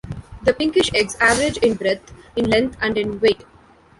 The pinkish eggs average in breadth, in length and in weight.